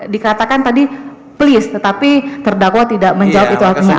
dikatakan tadi please tetapi terdakwa tidak menjawab itu artinya